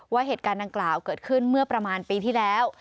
ว่าเหตุการณ์ดังกล่าวเกิดขึ้นเมื่อประมาณปีที่แล้ว